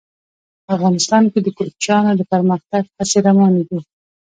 افغانستان کې د کوچیانو د پرمختګ هڅې روانې دي.